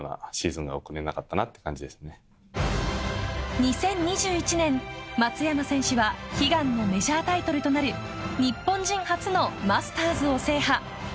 ２０２１年松山選手は悲願のメジャータイトルとなる日本人初のマスターズを制覇。